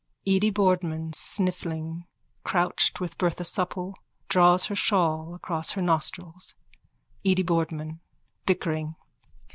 (Edy Boardman, sniffling, crouched with Bertha Supple, draws her shawl across her nostrils.) EDY BOARDMAN: _(Bickering.)